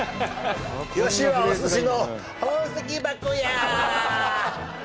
義はお寿司の宝石箱や。